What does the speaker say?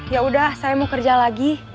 yaudah saya mau kerja lagi